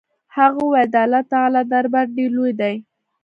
هغه وويل د الله تعالى دربار ډېر لوى دې.